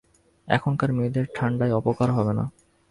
এখনকার মেয়েদের ঠাণ্ডায় অপকার হবে না।